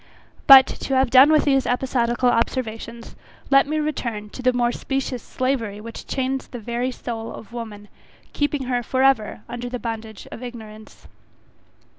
But, to have done with these episodical observations, let me return to the more specious slavery which chains the very soul of woman, keeping her for ever under the bondage of ignorance.